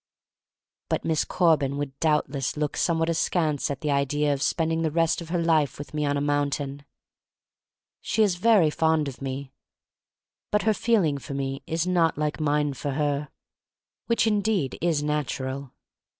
But Miss Corbin would doubtless look somewhat askance at the idea of 42 THE STORY OF MARY MAC LANE spending the rest of her life with me on a mountain. She is very fond of me, but her feeling for me is not like mine for her, which indeed is natural.